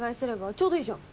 ちょうどいいじゃん。